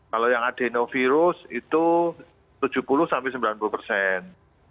kalau yang adenovirus itu tujuh puluh sampai sembilan puluh persen